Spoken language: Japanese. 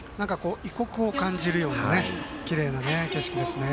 異国を感じるようなきれいな景色ですね。